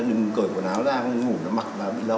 đừng cởi quần áo ra không ngủ mặc là bị lâu